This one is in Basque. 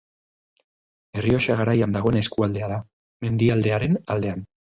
Errioxa Garaian dagoen eskualdea da, mendialdearen aldean.